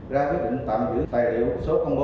ra quyết định tạm giữ tài liệu số bốn